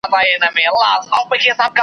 هره پېغله هره ښکلې د مُلا د سترګو خارکې .